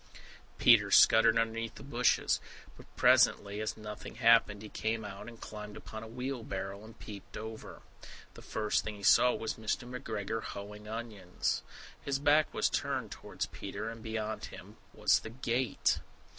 Peter scuttered underneath the bushes. But presently, as nothing happened, he came out, and climbed upon a wheelbarrow, and peeped over. The first thing he saw was Mr. McGregor hoeing onions. His back was turned towards Peter, and beyond him was the gate!